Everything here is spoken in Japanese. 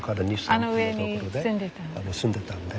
あの上に住んでたので。